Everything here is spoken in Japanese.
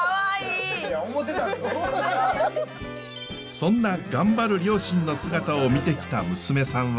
そんな頑張る両親の姿を見てきた娘さんは。